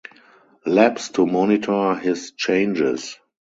Labs to monitor his changes.